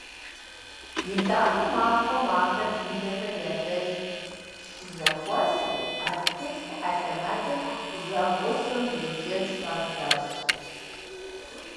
ЕтӀанэ махуэм ахэр Лидэхэ я деж щызэхуэсри а тхылъ хьэлэмэтым зэгъусэу еджэн щӀадзащ.